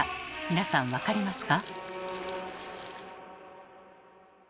皆さん分かりますか？